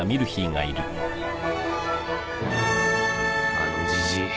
あのじじい